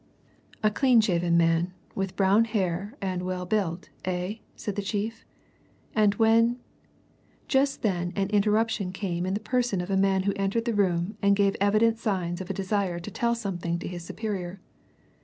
"A clean shaven man, with brown hair, and well built, eh?" said the chief. "And when " Just then an interruption came in the person of a man who entered the room and gave evident signs of a desire to tell something to his superior.